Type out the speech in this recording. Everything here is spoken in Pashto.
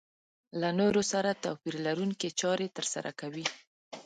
له نورو سره توپير لرونکې چارې ترسره کوي.